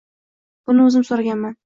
Buni o`zim so`raganman